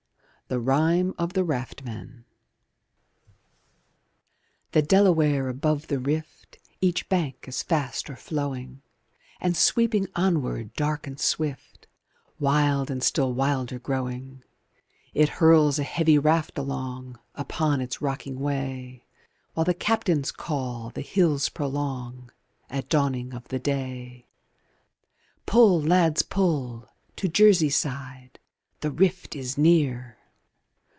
The Rime of the Raftmen I The Delaware above the Rift Each bank is fast o'erflowing, And sweeping onward dark and swift, Wild and still wilder growing It hurls a heavy raft along Upon its rocking way, While the Captain's call the hills prolong At dawning of the day: Pull, lads, pull! to Jersey side, The Rift is near!